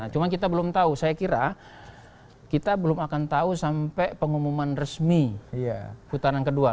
cuma kita belum tahu saya kira kita belum akan tahu sampai pengumuman resmi putaran kedua